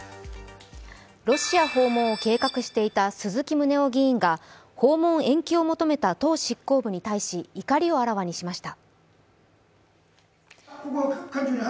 ロシア訪問を計画していた鈴木宗男議員が訪問延期を求めた党執行部に対し、怒りをあらわにしました。